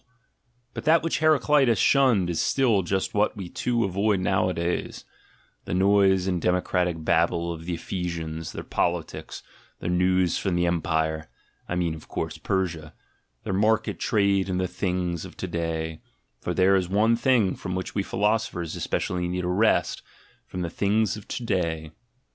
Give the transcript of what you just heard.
ASCETIC IDEALS in But that which Heracleitus shunned is still just what we too avoid nowadays: the noise and democratic babble of the Ephesians, their politics, their news from the "empire" (I mean, of course, Persia), their market trade in "the things of to day" — for there is one thing from which we philosophers especially need a rest — from the things of "to day."